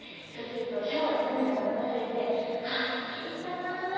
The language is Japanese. そうするとシャワーで涙が流されて「あすっきりしたな。